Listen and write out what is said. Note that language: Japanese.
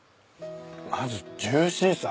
まずジューシーさ。